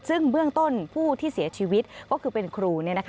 ซึ่งเบื้องต้นผู้ที่เสียชีวิตก็คือเป็นครู